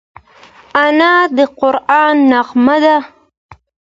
انا د قرآن نغمه ده